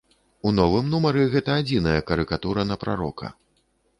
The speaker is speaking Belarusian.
У новым нумары гэта адзіная карыкатура на прарока.